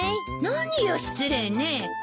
何よ失礼ね。